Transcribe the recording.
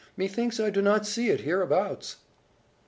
Methinks I do not see it hereabouts."